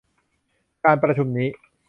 การประชุมนี้